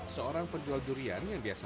seorang penjual durian yang biasa